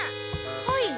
はい。